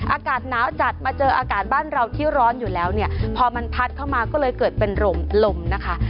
อากาศหนาวจัดมาเจออากาศบ้านเราที่ร้อนอยู่แล้วเนี่ยพอมันพัดเข้ามาก็เลยเกิดเป็นลมลมนะคะ